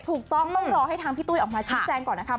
ถูกต้องต้องรอให้ทางพี่ตุ้ยออกมาชี้แจงก่อนนะครับ